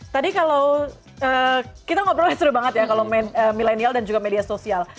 tadi kalau kita ngobrolnya seru banget ya kalau milenial dan juga media sosial